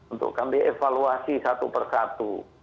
untuk kami evaluasi satu persatu